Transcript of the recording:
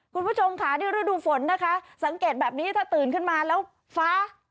คุณผู้ชมค่ะนี่ฤดูฝนนะคะสังเกตแบบนี้ถ้าตื่นขึ้นมาแล้วฟ้า